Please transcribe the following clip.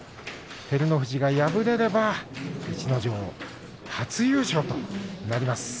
照ノ富士が敗れれば逸ノ城、初優勝となります。